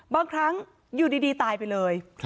บางครั้งอยู่ดีตายไปเลย